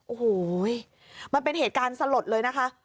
โอ้โหมันเป็นเหตุการณ์สลดเลยนะคะ